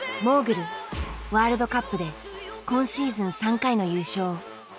モーグルワールドカップで今シーズン３回の優勝。